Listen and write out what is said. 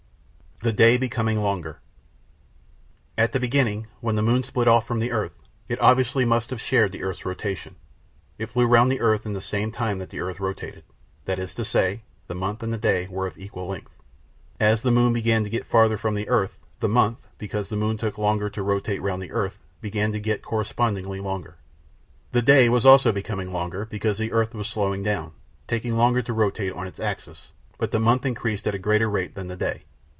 The Day Becoming Longer At the beginning, when the moon split off from the earth, it obviously must have shared the earth's rotation. It flew round the earth in the same time that the earth rotated, that is to say, the month and the day were of equal length. As the moon began to get farther from the earth, the month, because the moon took longer to rotate round the earth, began to get correspondingly longer. The day also became longer, because the earth was slowing down, taking longer to rotate on its axis, but the month increased at a greater rate than the day.